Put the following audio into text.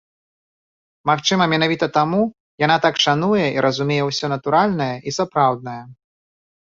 Магчыма, менавіта таму яна так шануе і разумее ўсё натуральнае і сапраўднае.